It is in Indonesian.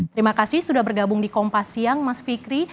terima kasih sudah bergabung di kompas siang mas fikri